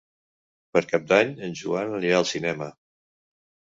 Per Cap d'Any en Joan anirà al cinema.